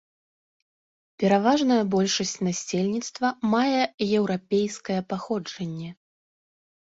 Пераважная большасць насельніцтва мае еўрапейскае паходжанне.